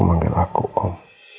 manggil aku om